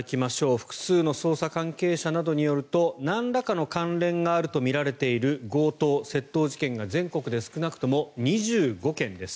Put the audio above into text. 複数の捜査関係者などによるとなんらかの関連があるとみられている強盗・窃盗事件が全国で少なくとも２５件です。